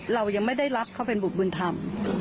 เรายังไม่ได้รับเขาเป็นบุตรบุญธรรม